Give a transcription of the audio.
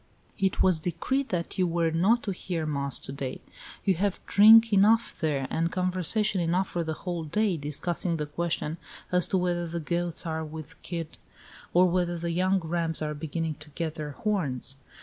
"It was decreed that you were not to hear mass to day. You have drink enough there, and conversation enough for the whole day, discussing the question as to whether the goats are with kid or whether the young rams are beginning to get their horns.